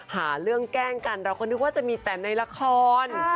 หาเรื่องแกล้งกันเราก็นึกว่าจะมีแต่ในละคร